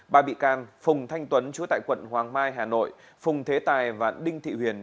ba bị can phùng thanh tuấn chú tại quận hoàng mai hà nội phùng thế tài và đinh thị huyền